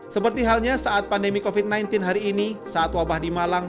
seperti halnya saat pandemi covid sembilan belas hari ini saat wabah di malang